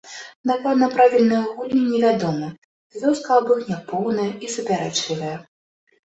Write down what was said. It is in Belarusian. Дакладна правілы гульні невядомы, звесткі аб іх няпоўныя і супярэчлівыя.